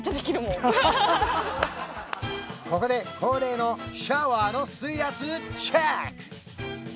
ここで恒例のシャワーの水圧チェック！